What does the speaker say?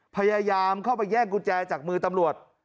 พยายามเข้าไปแย่งกุญแจจากมือตำรวจ